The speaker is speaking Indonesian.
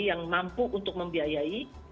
yang mampu untuk membiayai